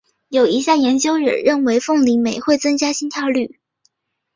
有一项研究也认为凤梨酶会增加心跳率。